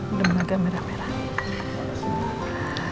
udah meragam merah merah